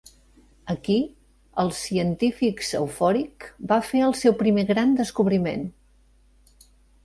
Aquí els científics eufòric va fer el seu primer gran descobriment.